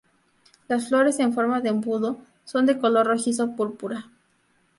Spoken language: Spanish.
Las flores en forma de embudo son de color rojizo púrpura.